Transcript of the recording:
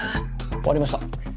終わりました。